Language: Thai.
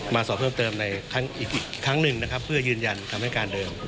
มาสอบเพิ่มเติมอีกทั้งมือเพื่อยืนยันคำให้การเดิม